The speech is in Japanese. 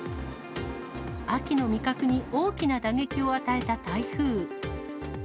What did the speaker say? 秋の味覚に大きな打撃を与えた台風。